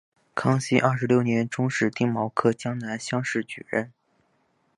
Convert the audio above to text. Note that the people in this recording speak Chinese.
康熙二十六年中式丁卯科江南乡试举人。